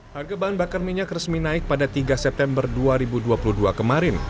harga bahan bakar minyak resmi naik pada tiga september dua ribu dua puluh dua kemarin